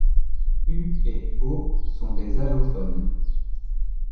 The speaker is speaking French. U et o sont des allophones.